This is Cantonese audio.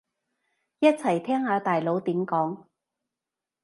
一齊聽下大佬點講